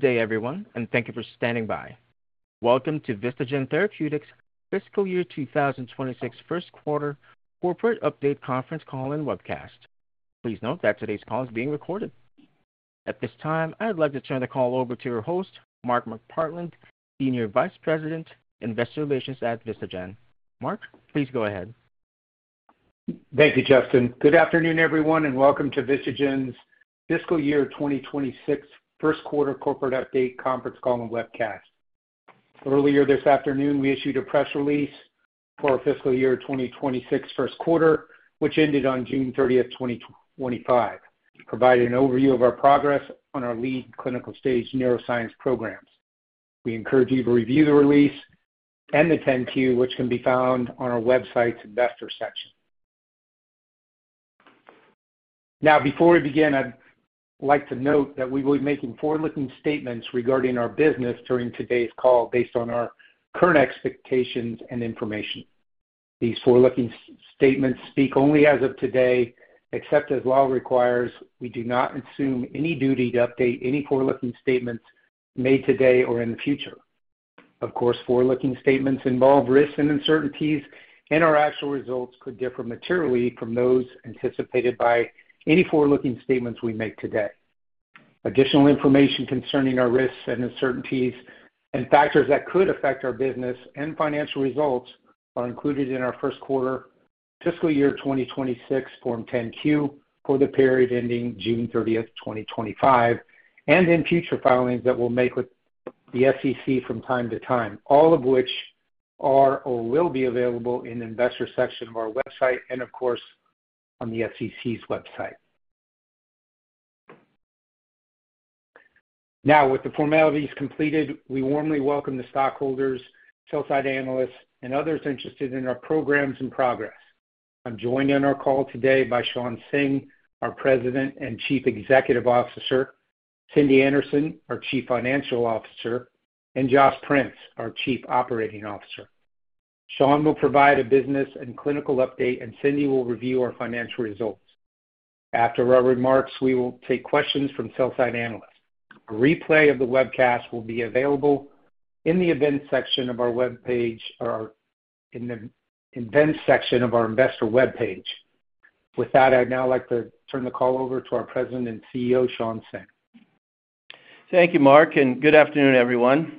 Good day everyone, and thank you for standing by. Welcome to Vistagen Therapeutics' Fiscal Year 2026 First Quarter Corporate Update Conference Call and Webcast. Please note that today's call is being recorded. At this time, I'd like to turn the call over to our host, Mark McPartland, Senior Vice President, Investor Relations at Vistagen. Mark, please go ahead. Thank you, Justin. Good afternoon, everyone, and welcome to Vistagen's Fiscal Year 2026 First Quarter Corporate Update Conference Call and Webcast. Earlier this afternoon, we issued a press release for our fiscal year 2026 first quarter, which ended on June 30th, 2025, providing an overview of our progress on our lead clinical stage neuroscience programs. We encourage you to review the release and the addendum, which can be found on our website's investor section. Now, before we begin, I'd like to note that we will be making forward-looking statements regarding our business during today's call based on our current expectations and information. These forward-looking statements speak only as of today, except as law requires. We do not assume any duty to update any forward-looking statements made today or in the future. Of course, forward-looking statements involve risks and uncertainties, and our actual results could differ materially from those anticipated by any forward-looking statements we make today. Additional information concerning our risks and uncertainties and factors that could affect our business and financial results are included in our first quarter fiscal year 2026 Form 10-Q for the period ending June 30th, 2025, and in future filings that we'll make with the SEC from time to time, all of which are or will be available in the investor section of our website and, of course, on the SEC's website. Now, with the formalities completed, we warmly welcome the stockholders, sell-side analysts, and others interested in our programs and progress. I'm joined on our call today by Shawn Singh, our President and Chief Executive Officer, Cindy Anderson, our Chief Financial Officer, and Josh Prince, our Chief Operating Officer. Shawn will provide a business and clinical update, and Cindy will review our financial results. After our remarks, we will take questions from sell-side analysts. A replay of the webcast will be available in the events section of our webpage or in the events section of our investor webpage. With that, I'd now like to turn the call over to our President and CEO, Shawn Singh. Thank you, Mark, and good afternoon, everyone.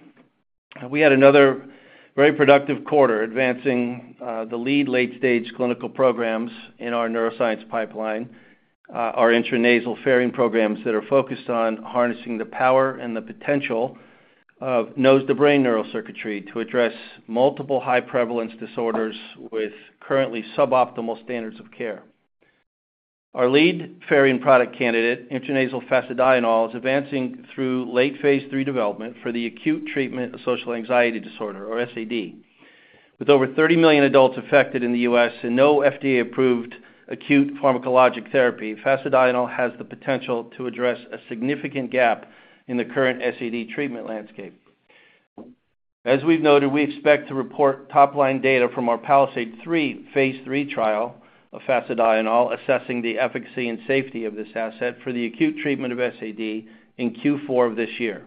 We had another very productive quarter advancing the lead late-stage clinical programs in our neuroscience pipeline, our intranasal Pherin programs that are focused on harnessing the power and the potential of nose-to-brain neurocircuitry to address multiple high-prevalence disorders with currently suboptimal standards of care. Our lead Pherin product candidate, intranasal fasedienol, is advancing through late phase III development for the acute treatment of social anxiety disorder, or SAD. With over 30 million adults affected in the U.S. and no FDA-approved acute pharmacologic therapy, fasedienol has the potential to address a significant gap in the current SAD treatment landscape. As we've noted, we expect to report top-line data from our PALISADE-3 phase III trial of fasedienol, assessing the efficacy and safety of this asset for the acute treatment of SAD in Q4 of this year,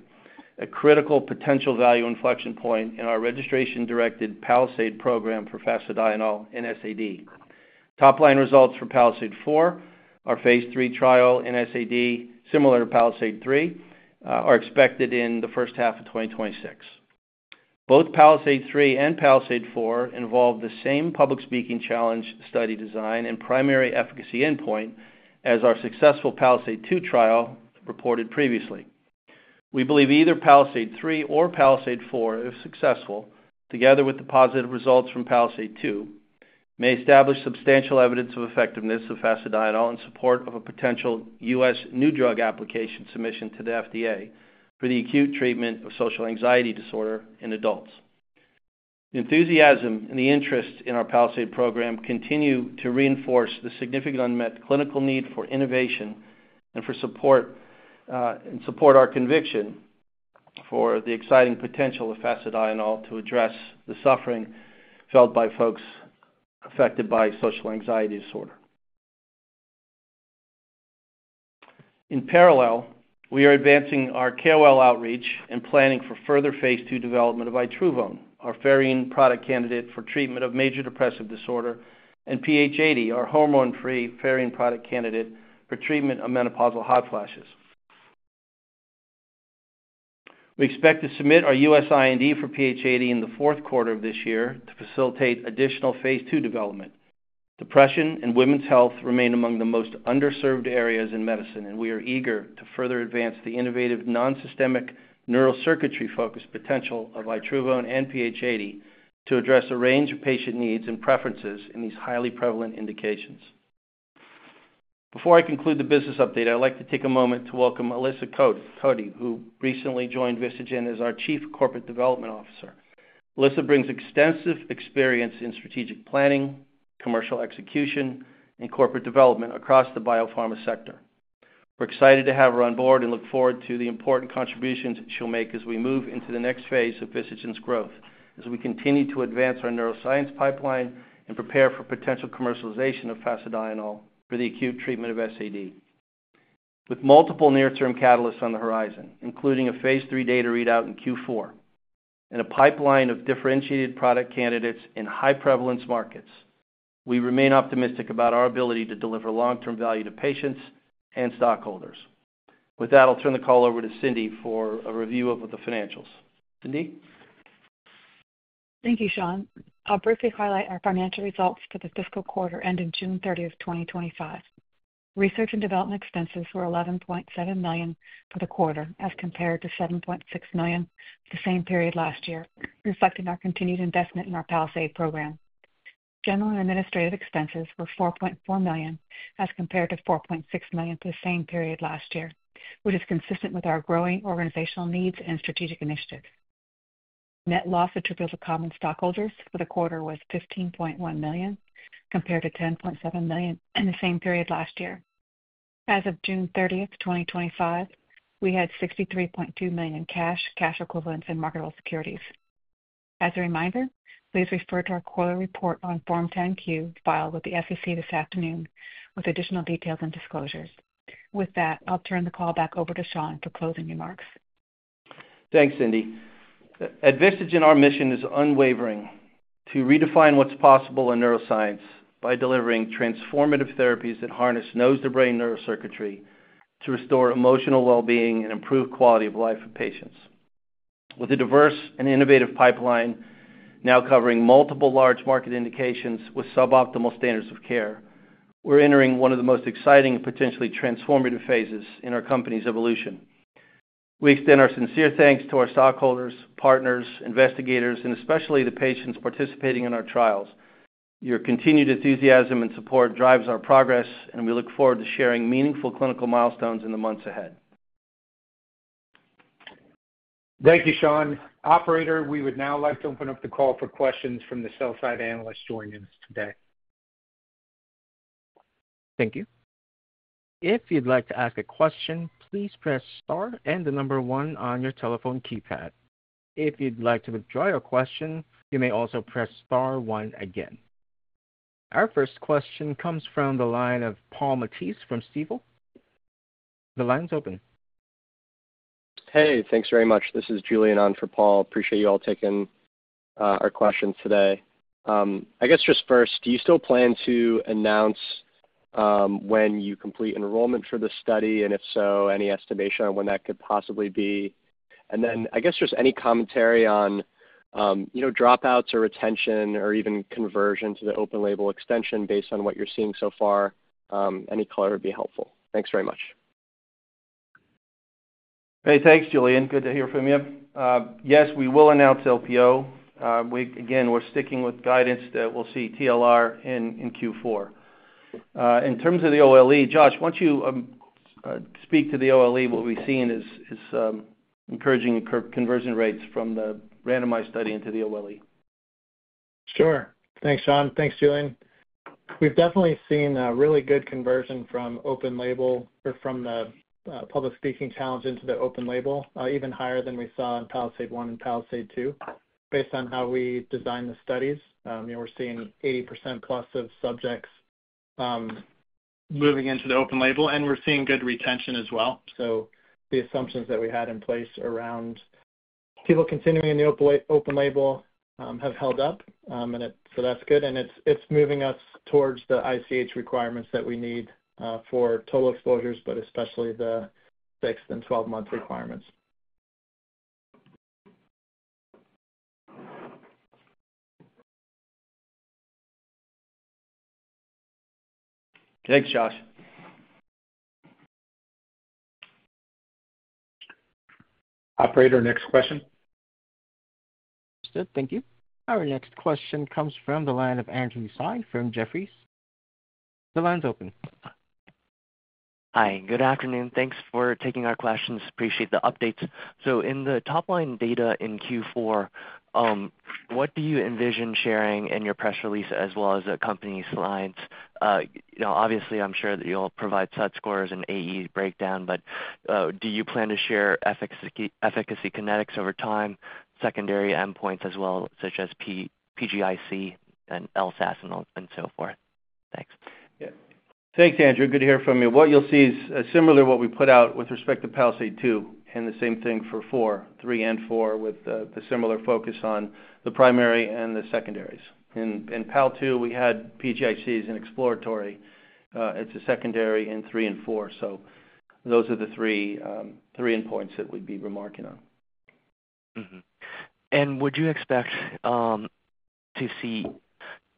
a critical potential value inflection point in our registration-directed PALISADE program for fasedienol in SAD. Top-line results for PALISADE-4, our phase III trial in SAD, similar to PALISADE-3, are expected in the first half of 2026. Both PALISADE-3 and PALISADE-4 involve the same public speaking challenge study design and primary efficacy endpoint as our successful PALISADE-2 trial reported previously. We believe either PALISADE-3 or PALISADE-4, if successful, together with the positive results from PALISADE-2, may establish substantial evidence of effectiveness of fasedienol in support of a potential U.S. new drug application submission to the FDA for the acute treatment of social anxiety disorder in adults. The enthusiasm and the interest in our PALISADE program continue to reinforce the significant unmet clinical need for innovation and support our conviction for the exciting potential of fasedienol to address the suffering felt by folks affected by social anxiety disorder. In parallel, we are advancing our CareWell outreach and planning for further phase II development of itruvone, our Pherin product candidate for treatment of major depressive disorder, and PH80, our hormone-free Pherin product candidate for treatment of menopausal hot flashes. We expect to submit our U.S. IND for PH80 in the fourth quarter of this year to facilitate additional phase II development. Depression and women's health remain among the most underserved areas in medicine, and we are eager to further advance the innovative non-systemic neurocircuitry-focused potential of itruvone and PH80 to address a range of patient needs and preferences in these highly prevalent indications. Before I conclude the business update, I'd like to take a moment to welcome Alyssa Cody, who recently joined Vistagen as our Chief Corporate Development Officer. Alyssa brings extensive experience in strategic planning, commercial execution, and corporate development across the biopharma sector. We're excited to have her on board and look forward to the important contributions she'll make as we move into the next phase of Vistagen's growth as we continue to advance our neuroscience pipeline and prepare for potential commercialization of fasedienol for the acute treatment of SAD. With multiple near-term catalysts on the horizon, including a phase III data readout in Q4 and a pipeline of differentiated product candidates in high-prevalence markets, we remain optimistic about our ability to deliver long-term value to patients and stockholders. With that, I'll turn the call over to Cindy for a review of the financials. Cindy. Thank you, Shawn. I'll briefly highlight our financial results for the fiscal quarter ending June 30th, 2025. Research and development expenses were $11.7 million for the quarter as compared to $7.6 million for the same period last year, reflecting our continued investment in our PALISADE program. General and administrative expenses were $4.4 million as compared to $4.6 million for the same period last year, which is consistent with our growing organizational needs and strategic initiatives. Net loss attributed to common stockholders for the quarter was $15.1 million compared to $10.7 million in the same period last year. As of June 30th, 2025, we had $63.2 million cash, cash equivalents, and marketable securities. As a reminder, please refer to our quarterly report on Form 10-Q filed with the SEC this afternoon with additional details and disclosures. With that, I'll turn the call back over to Shawn for closing remarks. Thanks, Cindy. At Vistagen, our mission is unwavering to redefine what's possible in neuroscience by delivering transformative therapies that harness nose-to-brain neurocircuitry to restore emotional well-being and improve quality of life for patients. With a diverse and innovative pipeline now covering multiple large market indications with suboptimal standards of care, we're entering one of the most exciting and potentially transformative phases in our company's evolution. We extend our sincere thanks to our stockholders, partners, investigators, and especially the patients participating in our trials. Your continued enthusiasm and support drives our progress, and we look forward to sharing meaningful clinical milestones in the months ahead. Thank you, Shawn. Operator, we would now like to open up the call for questions from the sell-side analysts joining us today. Thank you. If you'd like to ask a question, please press star and the number one on your telephone keypad. If you'd like to withdraw your question, you may also press star one again. Our first question comes from the line of Paul Matteis from Stifel. The line's open. Hey, thanks very much. This is Julian on for Paul. Appreciate you all taking our questions today. I guess just first, do you still plan to announce when you complete enrollment for the study? If so, any estimation on when that could possibly be? I guess just any commentary on dropouts or retention or even conversion to the open-label extension based on what you're seeing so far. Any color would be helpful. Thanks very much. Hey, thanks, Julian. Good to hear from you. Yes, we will announce LPO. Again, we're sticking with guidance that we'll see TLR in Q4. In terms of the OLE, Josh, why don't you speak to the OLE? What we've seen is encouraging conversion rates from the randomized study into the OLE. Sure. Thanks, Shawn. Thanks, Julian. We've definitely seen a really good conversion from open label or from the public speaking challenge into the open label, even higher than we saw in PALISADE-1 and PALISADE-2. Based on how we design the studies, we're seeing 80% plus of subjects moving into the open label, and we're seeing good retention as well. The assumptions that we had in place around people continuing in the open label have held up, and that's good. It's moving us towards the ICH requirements that we need for total exposures, especially the 6 and 12-month requirements. Thanks, Josh. Operator, next question. Understood. Thank you. Our next question comes from the line of Andrew Tsai from Jefferies. The line's open. Hi, good afternoon. Thanks for taking our questions. Appreciate the updates. In the top-line data in Q4, what do you envision sharing in your press release as well as the company's slides? Obviously, I'm sure that you'll provide SUT scores and AE breakdown, but do you plan to share efficacy kinetics over time, secondary endpoints as well, such as PGIC and LSAS and so forth? Thanks. Yeah. Thanks, Andrew. Good to hear from you. What you'll see is similar to what we put out with respect to PALISADE-2 and the same thing for PALISADE-4, PALISADE-3, and PALISADE-4 with the similar focus on the primary and the secondaries. In PALISADE-2, we had PGICs in exploratory. It's a secondary in PALISADE-3 and PALISADE-4. Those are the three endpoints that we'd be remarking on. Would you expect to see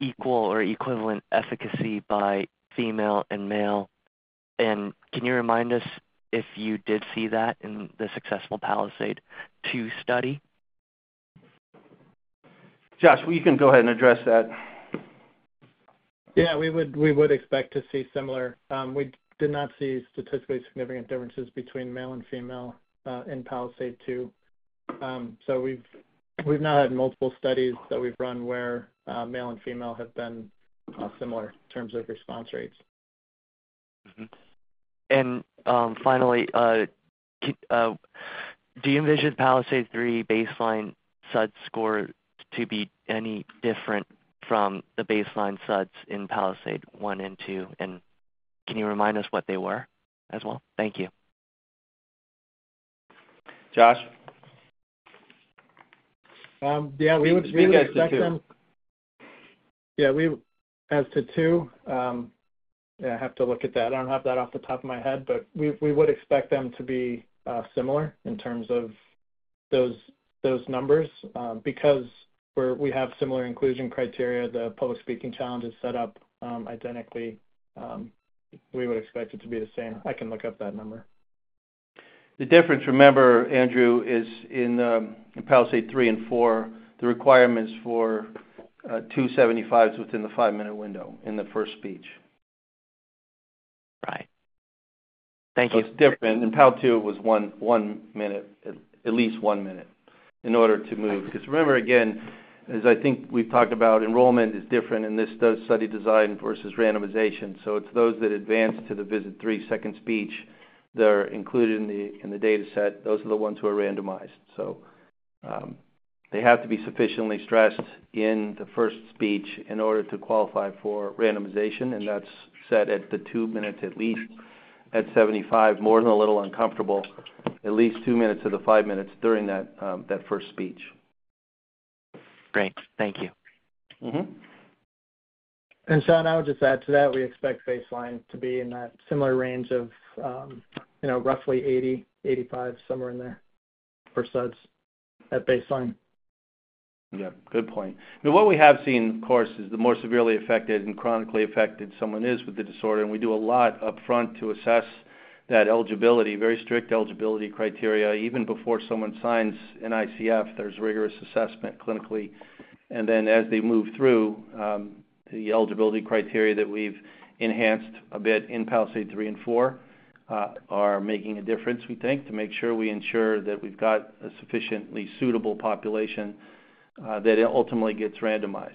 equal or equivalent efficacy by female and male? Can you remind us if you did see that in the successful PALISADE-2 study? Josh, you can go ahead and address that. Yeah, we would expect to see similar. We did not see statistically significant differences between male and female in PALISADE-2. We've not had multiple studies that we've run where male and female have been similar in terms of response rates. Do you envision PALISADE-3 baseline SUT score to be any different from the baseline SUTs in PALISADE-1 and PALISADE-2? Can you remind us what they were as well? Thank you. Josh? Yeah, we would expect them. As to PALISADE-2, I have to look at that. I don't have that off the top of my head, but we would expect them to be similar in terms of those numbers because we have similar inclusion criteria. The public speaking challenge is set up identically. We would expect it to be the same. I can look up that number. The difference, remember, Andrew, is in PALISADE-3 and PALISADE-4, the requirements for 275s within the five-minute window in the first speech. Right. Thank you. It is different. In PALISADE-2, it was one minute, at least one minute in order to move. Because, as I think we've talked about, enrollment is different in this study design versus randomization. It is those that advance to the visit three, second speech, they're included in the data set. Those are the ones who are randomized. They have to be sufficiently stressed in the first speech in order to qualify for randomization. That is set at the two minutes, at least at 75, more than a little uncomfortable, at least two minutes of the five minutes during that first speech. Great. Thank you. Shawn, I would just add to that. We expect baseline to be in that similar range of, you know, roughly 80, 85, somewhere in there for SUTs at baseline. Yeah, good point. Now, what we have seen, of course, is the more severely affected and chronically affected someone is with the disorder. We do a lot upfront to assess that eligibility, very strict eligibility criteria. Even before someone signs NICF, there's rigorous assessment clinically. As they move through, the eligibility criteria that we've enhanced a bit in PALISADE-3 and PALISADE-4 are making a difference, we think, to make sure we ensure that we've got a sufficiently suitable population that ultimately gets randomized.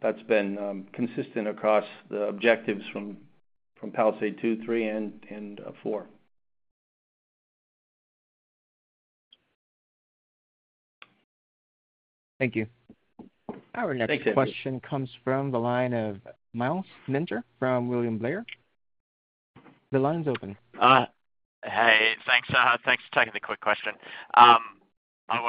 That's been consistent across the objectives from PALISADE-2, PALISADE-3, and PALISADE-4. Thank you. Our next question comes from the line of Myles Minter from William Blair. The line's open. Hey, thanks, Shawn. Thanks for taking the quick question. I won't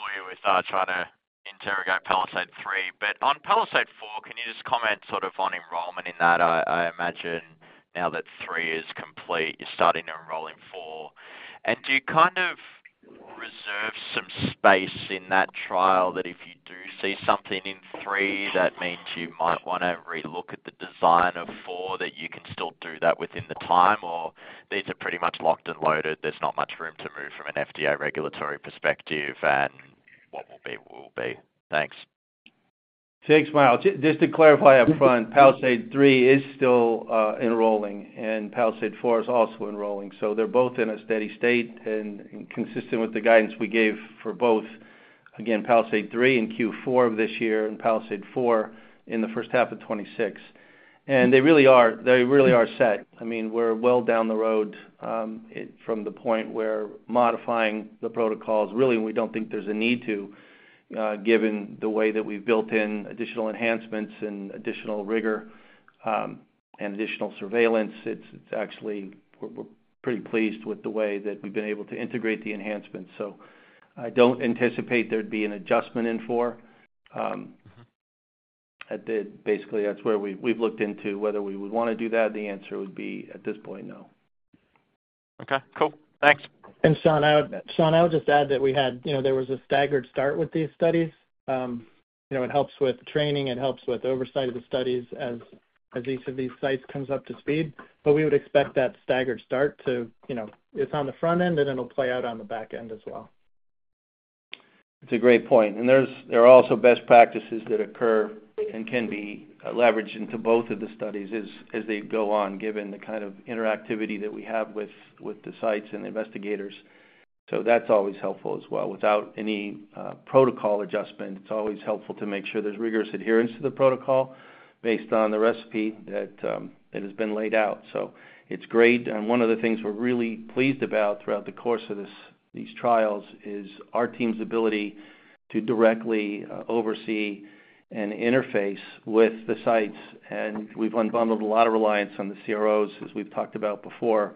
bore you with that. I'll try to interrogate PALISADE-3. On PALISADE-4, can you just comment sort of on enrollment in that? I imagine now that PALISADE- 3 is complete, you're starting to enroll in PALISADE-4. Do you kind of reserve some space in that trial that if you do see something in PALISADE-3 that means you might want to relook at the design of PALISADE-4, that you can still do that within the time, or these are pretty much locked and loaded? There's not much room to move from an FDA regulatory perspective and what will be will be. Thanks. Thanks, Myles. Just to clarify up front, PALISADE-3 is still enrolling, and PALISADE-4 is also enrolling. They're both in a steady state and consistent with the guidance we gave for both, again, PALISADE-3 in Q4 of this year and PALISADE-4 in the first half of 2026. They really are set. We're well down the road from the point where modifying the protocols really, and we don't think there's a need to, given the way that we've built in additional enhancements and additional rigor and additional surveillance. We're pretty pleased with the way that we've been able to integrate the enhancements. I don't anticipate there'd be an adjustment in PALISADE-4. That's where we've looked into whether we would want to do that. The answer would be, at this point, no. Okay, cool. Thanks. Shawn, I would just add that we had a staggered start with these studies. It helps with training. It helps with oversight of the studies as each of these sites comes up to speed. We would expect that staggered start to, you know, it's on the front end, and it'll play out on the back end as well. It's a great point. There are also best practices that occur and can be leveraged into both of the studies as they go on, given the kind of interactivity that we have with the sites and the investigators. That's always helpful as well. Without any protocol adjustment, it's always helpful to make sure there's rigorous adherence to the protocol based on the recipe that has been laid out. It's great. One of the things we're really pleased about throughout the course of these trials is our team's ability to directly oversee and interface with the sites. We've unbundled a lot of reliance on the CROs, as we've talked about before.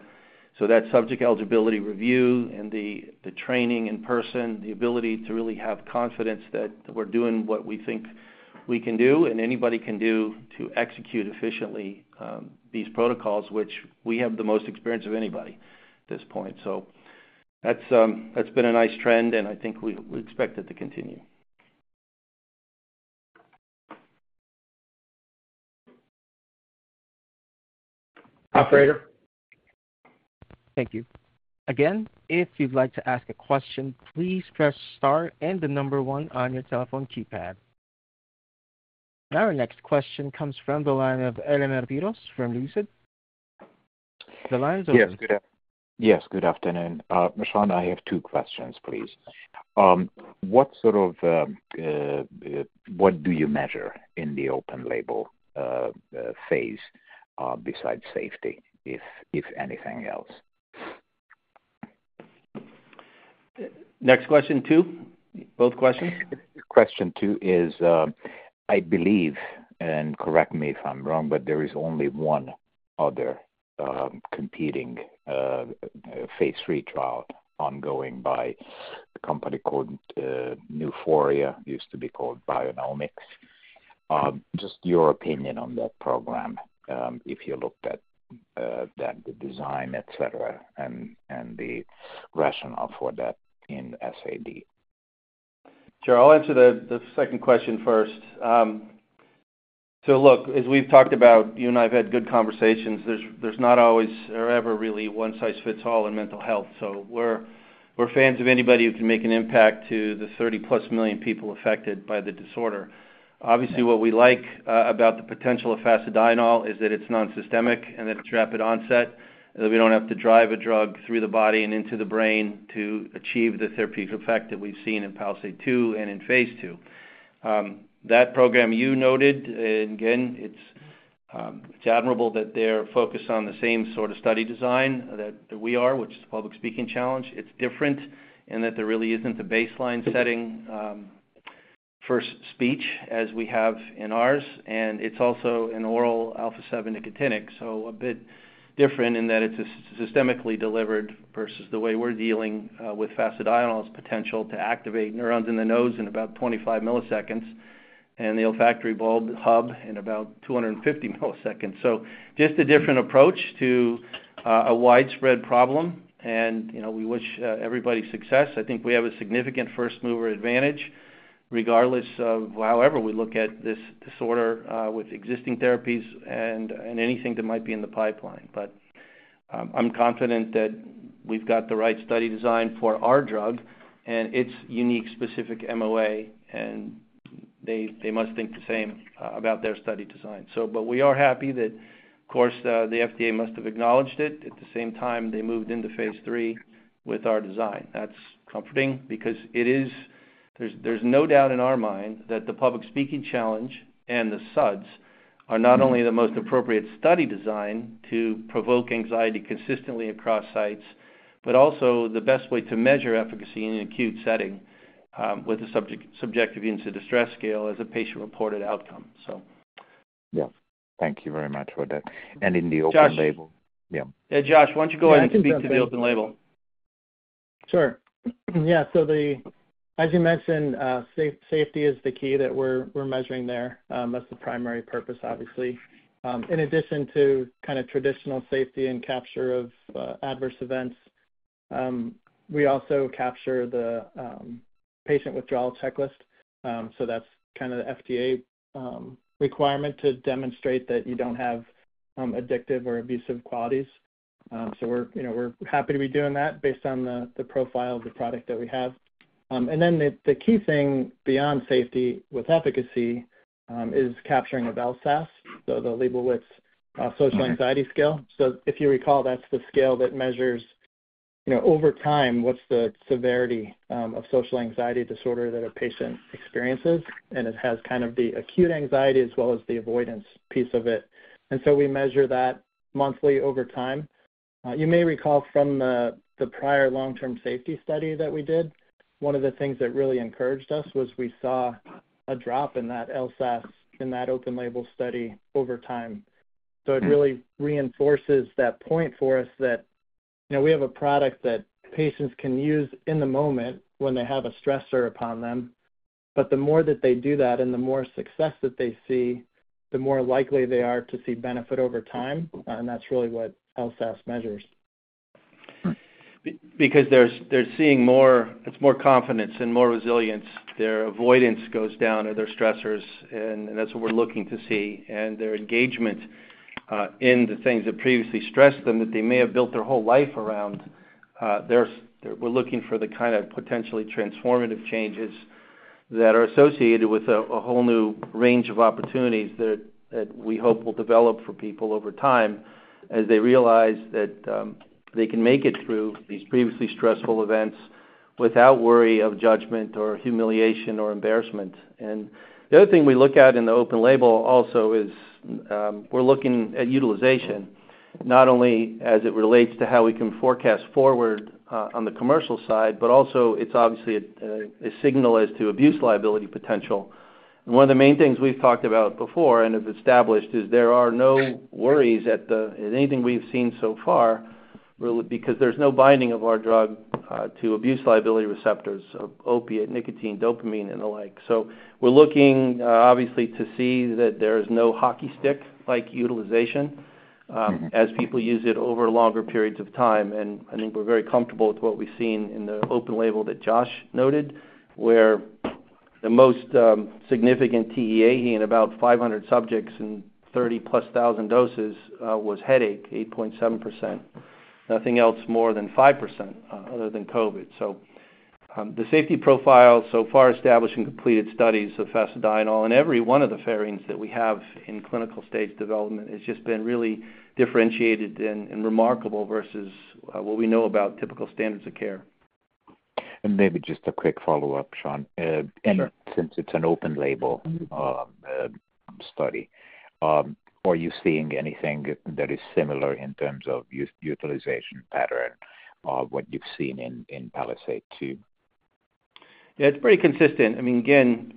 That subject eligibility review and the training in person, the ability to really have confidence that we're doing what we think we can do and anybody can do to execute efficiently these protocols, which we have the most experience of anybody at this point. That's been a nice trend, and I think we expect it to continue. Thank you. Again, if you'd like to ask a question, please press star and the number one on your telephone keypad. Our next question comes from the line of Elemer Piros from Lucid. The line's open. Yes, good afternoon. Shawn, I have two questions, please. What sort of, what do you measure in the open-label phase besides safety, if anything else? Next question, two both questions? Question two is, I believe, and correct me if I'm wrong, but there is only one other competing phase III trial ongoing by a company called Neumora, used to be called Bionomics. Just your opinion on that program, if you looked at the design, etc., and the rationale for that in SAD. Sure. I'll answer the second question first. As we've talked about, you and I have had good conversations. There's not always or ever really one-size-fits-all in mental health. We're fans of anybody who can make an impact to the 30+ million people affected by the disorder. Obviously, what we like about the potential of fasedienol is that it's non-systemic and it's rapid onset, and that we don't have to drive a drug through the body and into the brain to achieve the therapeutic effect that we've seen in PALISADE-2 and in phase II. That program you noted, and again, it's admirable that they're focused on the same sort of study design that we are, which is the public speaking challenge. It's different in that there really isn't a baseline setting for speech as we have in ours. It's also an oral alpha 7 nicotinic. A bit different in that it's systemically delivered versus the way we're dealing with fasedienol's potential to activate neurons in the nose in about 25 milliseconds and the olfactory bulb hub in about 250 milliseconds. Just a different approach to a widespread problem. We wish everybody success. I think we have a significant first-mover advantage regardless of however we look at this disorder with existing therapies and anything that might be in the pipeline. I'm confident that we've got the right study design for our drug and its unique specific MOA, and they must think the same about their study design. We are happy that, of course, the FDA must have acknowledged it. At the same time, they moved into phase III with our design. That's comforting because there is no doubt in our mind that the public speaking challenge and the SUTs are not only the most appropriate study design to provoke anxiety consistently across sites, but also the best way to measure efficacy in an acute setting with a subjective instant distress scale as a patient-reported outcome. Thank you very much for that. In the open label. Yeah. Josh, why don't you go ahead and speak to the open-label? Sure. Yeah. As you mentioned, safety is the key that we're measuring there. That's the primary purpose, obviously. In addition to traditional safety and capture of adverse events, we also capture the patient withdrawal checklist. That's the FDA requirement to demonstrate that you don't have addictive or abusive qualities. We're happy to be doing that based on the profile of the product that we have. The key thing beyond safety with efficacy is capturing LSAS, the Liebowitz social anxiety scale. If you recall, that's the scale that measures over time what's the severity of social anxiety disorder that a patient experiences. It has the acute anxiety as well as the avoidance piece of it. We measure that monthly over time. You may recall from the prior long-term safety study that we did, one of the things that really encouraged us was we saw a drop in that LSAS in that open-label study over time. It really reinforces that point for us that we have a product that patients can use in the moment when they have a stressor upon them. The more that they do that and the more success that they see, the more likely they are to see benefit over time. That's really what LSAS measures. They're seeing more confidence and more resilience. Their avoidance goes down or their stressors, and that's what we're looking to see. Their engagement in the things that previously stressed them that they may have built their whole life around. We're looking for the kind of potentially transformative changes that are associated with a whole new range of opportunities that we hope will develop for people over time as they realize that they can make it through these previously stressful events without worry of judgment or humiliation or embarrassment. The other thing we look at in the open-label also is utilization, not only as it relates to how we can forecast forward on the commercial side, but also it's a signal as to abuse liability potential. One of the main things we've talked about before and have established is there are no worries at anything we've seen so far because there's no binding of our drug to abuse liability receptors of opiate, nicotine, dopamine, and the like. We're looking to see that there is no hockey stick-like utilization as people use it over longer periods of time. I think we're very comfortable with what we've seen in the open-label that Josh noted, where the most significant TEAE in about 500 subjects in 30,000-plus doses was headache, 8.7%. Nothing else more than 5% other than COVID. The safety profile so far established in completed studies of fasedienol and every one of the Pherins that we have in clinical stage development has just been really differentiated and remarkable versus what we know about typical standards of care. Maybe just a quick follow-up, Shawn. Since it's an open-label study, are you seeing anything that is similar in terms of utilization pattern or what you've seen in PALISADE-2? Yeah, it's pretty consistent. I mean, again,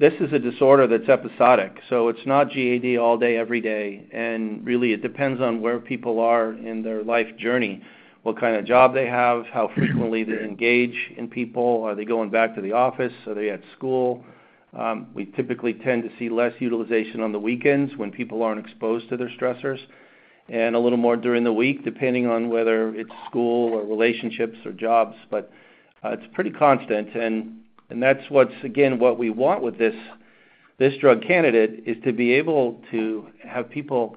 this is a disorder that's episodic. It's not GAD all day, every day. It really depends on where people are in their life journey, what kind of job they have, how frequently they engage in people. Are they going back to the office? Are they at school? We typically tend to see less utilization on the weekends when people aren't exposed to their stressors and a little more during the week, depending on whether it's school or relationships or jobs. It's pretty constant. That's what's, again, what we want with this drug candidate is to be able to have people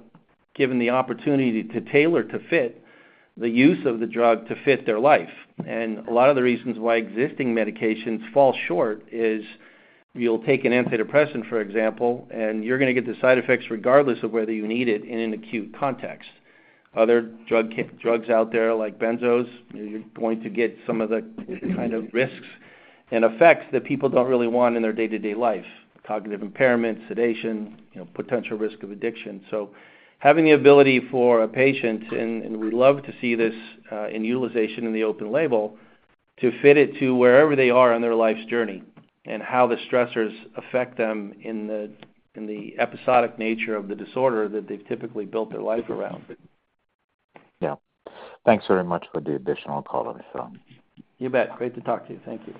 given the opportunity to tailor to fit the use of the drug to fit their life. A lot of the reasons why existing medications fall short is you'll take an antidepressant, for example, and you're going to get the side effects regardless of whether you need it in an acute context. Other drugs out there like benzos, you're going to get some of the kind of risks and effects that people don't really want in their day-to-day life: cognitive impairment, sedation, potential risk of addiction. Having the ability for a patient, and we'd love to see this in utilization in the open-label, to fit it to wherever they are on their life's journey and how the stressors affect them in the episodic nature of the disorder that they've typically built their life around. Yeah, thanks very much for the additional call, Shawn. You bet. Great to talk to you. Thank you.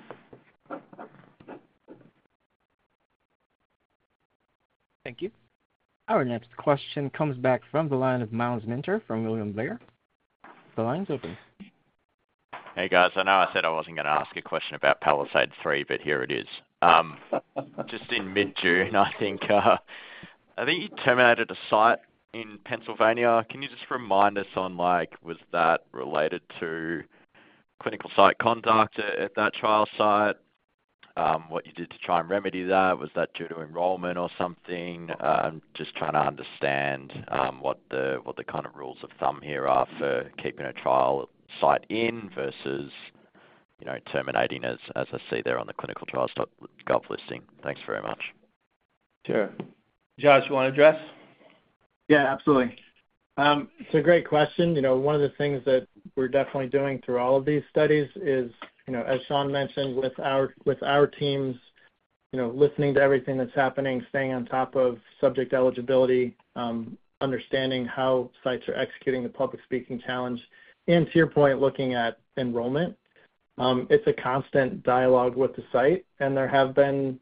Thank you. Our next question comes back from the line of Myles Minter from William Blair. The line's open. Hey, guys. I know I said I wasn't going to ask a question about PALISADE-3, but here it is. Just in mid-June, I think you terminated a site in Pennsylvania. Can you just remind us on like, was that related to clinical site conduct at that trial site? What you did to try and remedy that? Was that due to enrollment or something? Just trying to understand what the kind of rules of thumb here are for keeping a trial site in versus, you know, terminating as I see there on the clinicaltrials.gov listing. Thanks very much. Sure. Josh, you want to address? Yeah, absolutely. It's a great question. One of the things that we're definitely doing through all of these studies is, as Shawn Singh mentioned, with our teams, listening to everything that's happening, staying on top of subject eligibility, understanding how sites are executing the public speaking challenge, and to your point, looking at enrollment. It's a constant dialogue with the site. There have been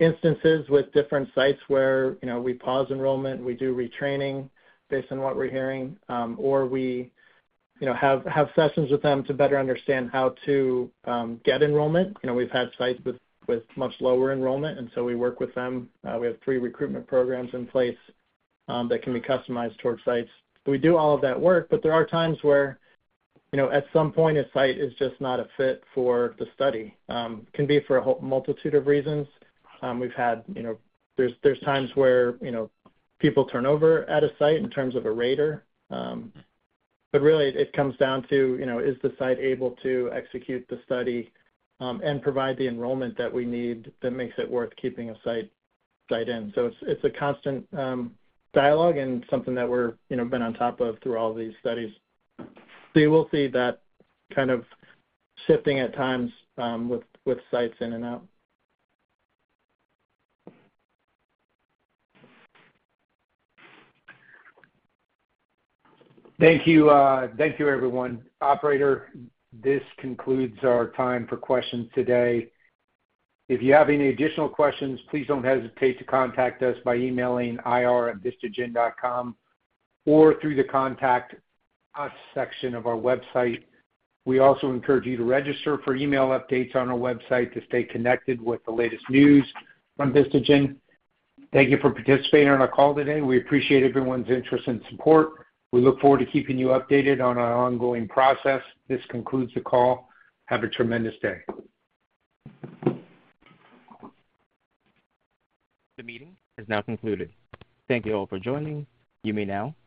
instances with different sites where we pause enrollment, we do retraining based on what we're hearing, or we have sessions with them to better understand how to get enrollment. We've had sites with much lower enrollment, and we work with them. We have three recruitment programs in place that can be customized towards sites. We do all of that work, but there are times where, at some point, a site is just not a fit for the study. It can be for a whole multitude of reasons. We've had times where people turn over at a site in terms of a rater. It really comes down to, is the site able to execute the study and provide the enrollment that we need that makes it worth keeping a site in? It's a constant dialogue and something that we've been on top of through all of these studies. You will see that kind of shifting at times, with sites in and out. Thank you. Thank you, everyone. Operator, this concludes our time for questions today. If you have any additional questions, please don't hesitate to contact us by emailing ir@vistagen.com or through the contact us section of our website. We also encourage you to register for email updates on our website to stay connected with the latest news from Vistagen. Thank you for participating in our call today. We appreciate everyone's interest and support. We look forward to keeping you updated on our ongoing process. This concludes the call. Have a tremendous day. The meeting is now concluded. Thank you all for joining. You may now.